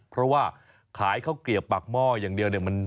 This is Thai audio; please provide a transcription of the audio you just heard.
เพราะว่าขายข้าวเกลียบปากหม้ออย่างเดียวเนี่ย